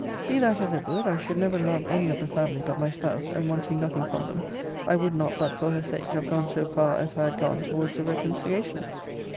Be that as it would, I should never love any of the family but my spouse; and wanting nothing from them, I would not, but for her sake, have gone so far as I had gone towards a reconciliation.